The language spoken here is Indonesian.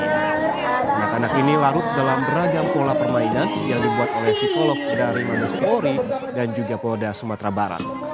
anak anak ini larut dalam beragam pola permainan yang dibuat oleh psikolog dari mabes polri dan juga polda sumatera barat